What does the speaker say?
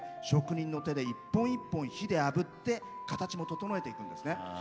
職人の手で一本一本火であぶって形も整えていくんですね。